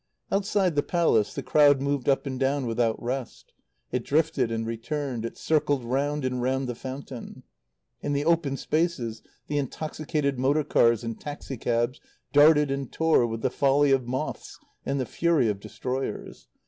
Outside the Palace the crowd moved up and down without rest; it drifted and returned; it circled round and round the fountain. In the open spaces the intoxicated motor cars and taxi cabs darted and tore with the folly of moths and the fury of destroyers.